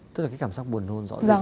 tức là cái cảm giác buồn nôn rõ ràng